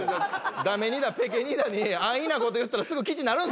駄目ニダペケニダ安易なこと言ったらすぐ記事になるんですよ